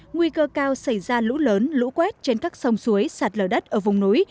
nguy cơ cao xảy ra lũ lớn lũ quét trên các sông suối sạt lở đất ở vùng núi